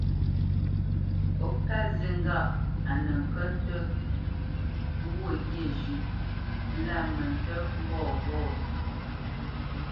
Ó ká zi ŋgâʼ a nə kə́ nə́ mbwô ghyê zhʉ̌ʼ lá mə ntə́ mbɔ̂ ghô ?